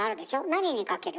何にかける？